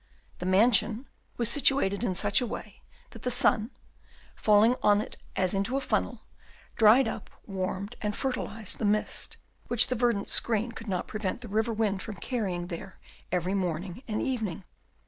The mansion was situated in such a way that the sun, falling on it as into a funnel, dried up, warmed, and fertilised the mist which the verdant screen could not prevent the river wind from carrying there every morning and evening.